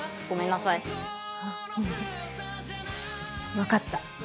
分かった。